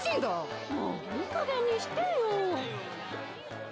もういいかげんにしてよ。